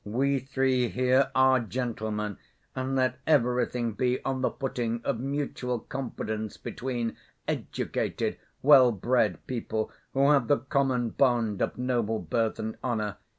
We three here are gentlemen, and let everything be on the footing of mutual confidence between educated, well‐bred people, who have the common bond of noble birth and honor.